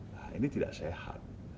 nah ini tidak sehat